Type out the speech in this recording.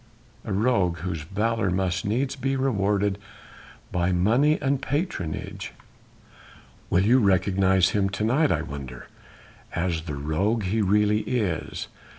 A rogue whose valour must needs be rewarded by money and patronage!... Will you recognise him to night I wonder, as the rogue he really is?